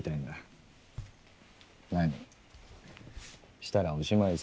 したらおしまいさ。